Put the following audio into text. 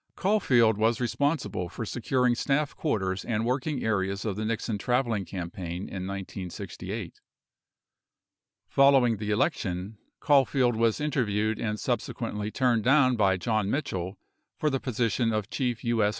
Caul field was responsible for securing staff quarters and working areas of the Nixon traveling campaign in 1968. Following the election, Caulfield was interviewed and subsequently turned down by John Mitchell for the position of Chief TI.S.